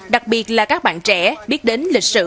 đặc biệt là các bạn trẻ biết đến lịch sử